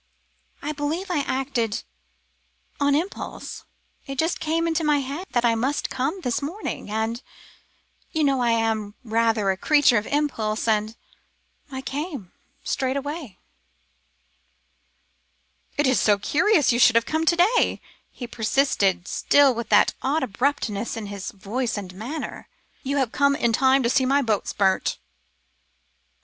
"I believe I acted on impulse. It just came into my head that I must come this morning, and you know I am rather a creature of impulse and I came straight away." "It is so curious you should have come to day," he persisted, still with that odd abruptness of voice and manner. "You have come in time to see my boats burnt."